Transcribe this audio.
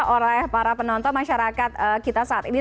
oleh para penonton masyarakat kita saat ini